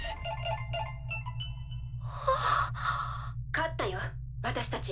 勝ったよ私たち。